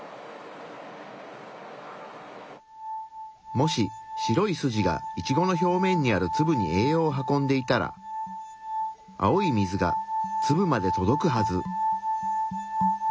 もし白い筋がイチゴの表面にあるツブに栄養を運んでいたら青い水がツブまで届くはず。